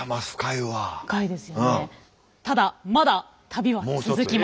ただまだ旅は続きます。